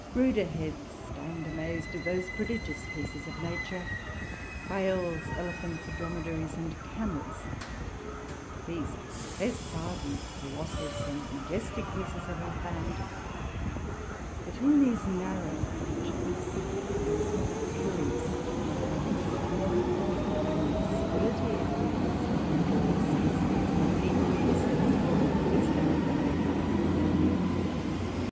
ruder heads stand amazed at those prodigious pieces of Nature, Whales, Elephants, Dromidaries and Camels; these, I confess, are the Colossus and Majestick pieces of her hand: but in these narrow Engines there is more curious Mathematicks; and the civility of these little Citizens, more neatly sets forth the Wisdom of their Maker.